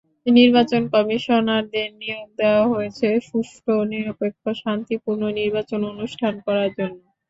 নির্বাচন কমিশনারদের নিয়োগ দেওয়া হয়েছে সুষ্ঠু, নিরপেক্ষ, শান্তিপূর্ণ নির্বাচন অনুষ্ঠান করার জন্য।